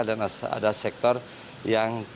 dan ada sektor yang